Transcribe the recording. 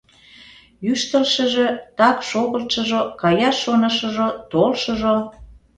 Йӱштылшыжӧ, так шогылтшыжо, каяш шонышыжо, толшыжо...